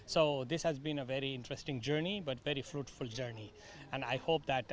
jadi ini adalah perjalanan yang sangat menarik tapi juga perjalanan yang sangat berhasil